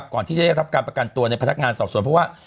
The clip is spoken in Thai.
ก่อนที่จะได้รับการประกันตัวในพนักงานสอบสวนเพราะว่า